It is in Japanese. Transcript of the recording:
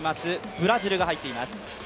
ブラジルが入っています。